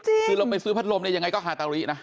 ซื้อลงไปซื้อพัดลมเนี่ยยังไงก็ฮัตตาลิน่ะ